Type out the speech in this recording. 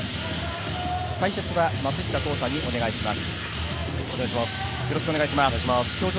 解説は松久功さんにお願いします。